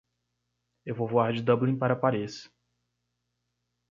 Eu vou voar de Dublin para Paris.